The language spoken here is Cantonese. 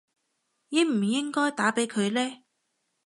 應唔應該打畀佢呢